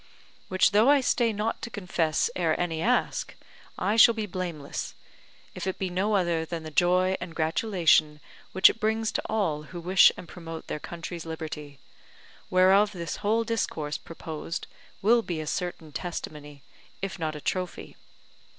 Which though I stay not to confess ere any ask, I shall be blameless, if it be no other than the joy and gratulation which it brings to all who wish and promote their country's liberty; whereof this whole discourse proposed will be a certain testimony, if not a trophy.